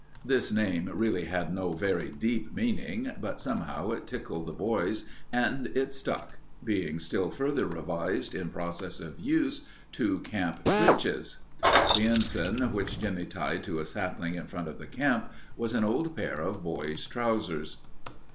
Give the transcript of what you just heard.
This name really had no very deep meaning, but somehow it tickled the boys and it stuck, being still further revised in process of use to Camp Britches. The ensign which Jimmie tied to a sapling in front of the camp was an old pair of boy's trousers.